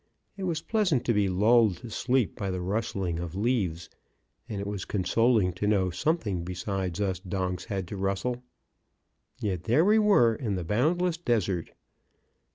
It was pleasant to be lulled to sleep by the rustling of leaves (and it was consoling to know something besides us donks had to rustle), yet there we were in the boundless desert.